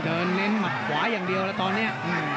เน้นหมัดขวาอย่างเดียวแล้วตอนนี้